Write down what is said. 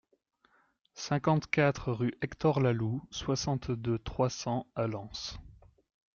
cinquante-quatre rue Hector Laloux, soixante-deux, trois cents à Lens